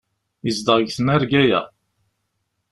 Yezdeɣ deg tnarga-ya.